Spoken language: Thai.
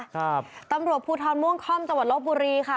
ครับตำรวจภูทรม่วงค่อมจังหวัดลบบุรีค่ะ